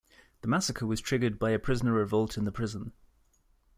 The massacre was triggered by a prisoner revolt in the prison.